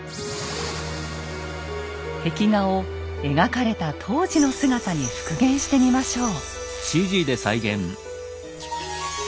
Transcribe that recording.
壁画を描かれた当時の姿に復元してみましょう。